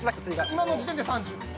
今の時点で３０です。